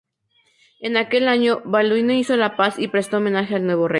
En aquel año, Balduino hizo la paz y prestó homenaje al nuevo rey.